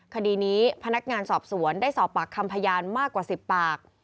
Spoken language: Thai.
คดีนี้พนักงานสอบสวนได้สอบปากคำพยานมากกว่า๑๐ปาก